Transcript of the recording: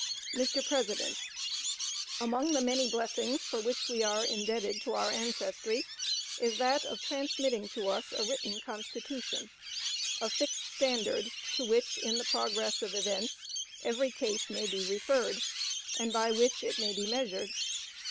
Mr. President: Among the many blessings for which we are indebted to our ancestry is that of transmitting to us a written Constitution; a fixed standard to which, in the progress of events, every case may be referred, and by which it may be measured.